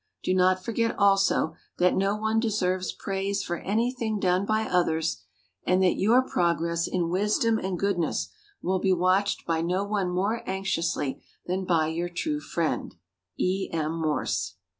Do not forget also that no one deserves praise for anything done by others and that your progress in wisdom and goodness will be watched by no one more anxiously than by your true friend, E. M. Morse."